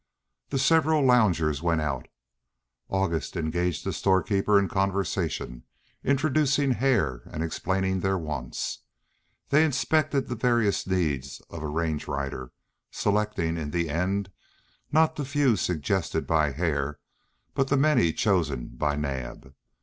The several loungers went out; August engaged the storekeeper in conversation, introducing Hare and explaining their wants. They inspected the various needs of a range rider, selecting, in the end, not the few suggested by Hare, but the many chosen by Naab.